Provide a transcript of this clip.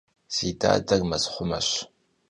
Si dader mezxhumeş.